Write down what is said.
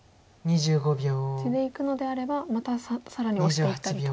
地でいくのであればまた更にオシていったりと。